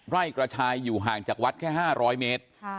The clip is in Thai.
กระชายอยู่ห่างจากวัดแค่๕๐๐เมตร